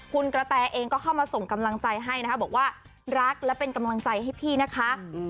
คุณกระแตเองก็เข้ามาส่งกำลังใจให้นะคะบอกว่ารักและเป็นกำลังใจให้พี่นะคะ